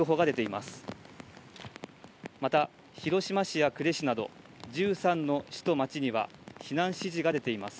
また、広島市や呉市など、１３の市と町には避難指示が出ています。